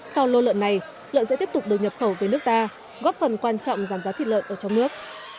sau lô lợn này lợn sẽ tiếp tục được nhập khẩu về nước ta góp phần quan trọng giảm giá thịt lợn ở trong nước